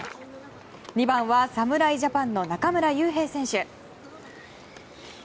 ２番は侍ジャパンの中村悠平選手。